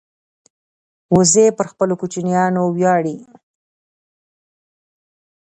وزې پر خپلو کوچنیانو ویاړي